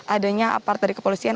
adanya apart dari kepolisian